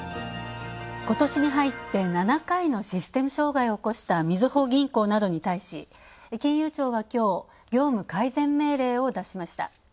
今年に入って７回のシステム障害を起こしたみずほ銀行などに対し金融庁はきょう業務改善命令をだしました。